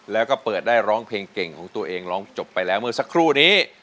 แล้วก็เปิดได้ร้องเพลงเก่งของตัวเองร้องจบไปแล้วเมื่อสักครู่นี้